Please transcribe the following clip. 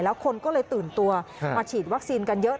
แล้วคนก็เลยตื่นตัวมาฉีดวัคซีนกันเยอะ